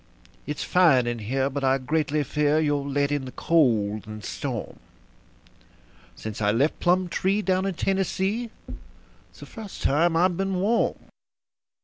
It's fine in here, but I greatly fear you'll let in the cold and storm Since I left Plumtree, down in Tennessee, it's the first time I've been warm."